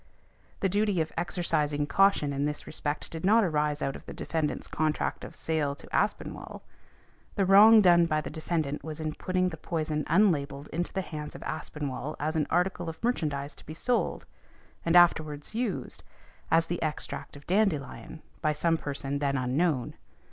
The duty of exercising caution in this respect did not arise out of the defendant's contract of sale to Aspinwall. The wrong done by the defendant was in putting the poison unlabelled into the hands of Aspinwall as an article of merchandise to be sold, and afterwards used, as the extract of dandelion by some person then unknown.